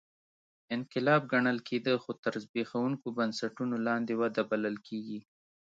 انقلاب ګڼل کېده خو تر زبېښونکو بنسټونو لاندې وده بلل کېږي